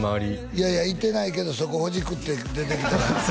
いやいやいてないけどそこほじくって出てきた